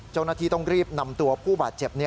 เจ้าหน้าที่ต้องรีบนำตัวผู้บาดเจ็บ